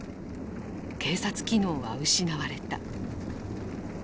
警察機能は失われた。